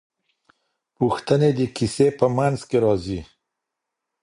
پوښتنې د کیسې په منځ کې راځي.